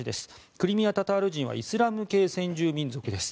クリミア・タタール人はイスラム系先住民族です。